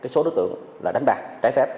số đối tượng đánh bạc trái phép